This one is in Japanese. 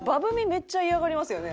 めっちゃ嫌がりますよね。